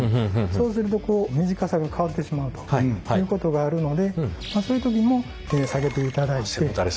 そうするとこう短さが変わってしまうということがあるのでそういう時にも下げていただいて。